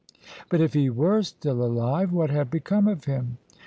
But if he were still alive, what had become of him?